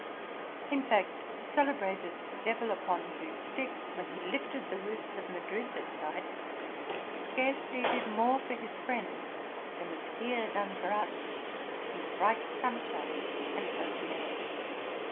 In fact, the celebrated Devil upon two sticks, when he lifted the roofs.of RELATING TO MY LIFE. 17 Madrid at night, scarcely did more for his friend than was here done for us in the bright sunshine and open air.